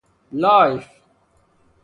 Life!